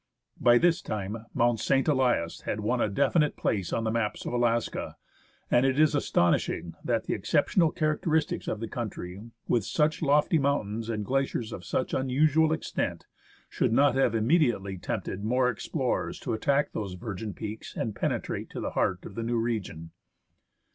By this time Mount St. Elias had won a definite place on maps of Alaska, and it is astonishing that the exceptional characteristics of the country, with such lofty mountains and glaciers of such unusual extent, should not have immediately tempted more explorers to attack those virgin peaks and penetrate to the heart of the new region.